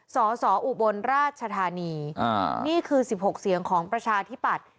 สอสออุบลราชธานีนี่คือ๑๖เสียงของประชาธิปัตย์